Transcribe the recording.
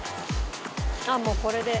あっもうこれで。